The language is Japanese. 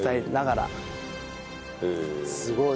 すごい。